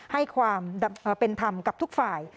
ให้ความเป็นธรรมกับทุกฝ่าย